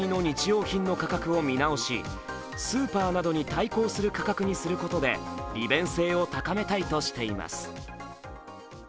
用品の価格を見直しスーパーなどに対抗する価格にすることで利便性を高めたいとしています。